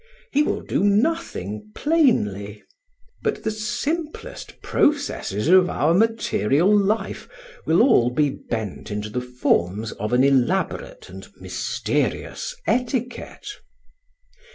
He will do nothing plainly; but the simplest processes of our material life will all be bent into the forms of an elaborate and mysterious etiquette.